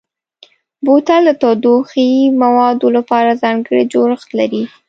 بوتل د تودوخهيي موادو لپاره ځانګړی جوړښت لري.